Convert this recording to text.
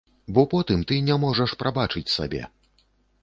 Бо потым ты не можаш прабачыць сабе.